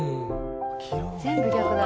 全部逆だ。